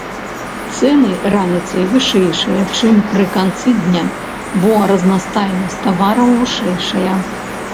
Цэны раніцай вышэйшыя, чым пры канцы дня, бо разнастайнасць тавараў вышэйшая.